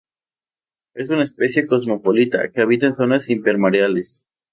Es una especie cosmopolita que habita zonas intermareales.